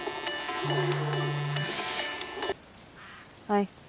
はい。